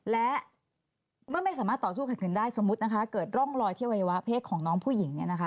และไม่สามารถต่อสู้ขัดขืนได้สมมุติเกิดร่องรอยที่วัยวะเพศของน้องผู้หญิง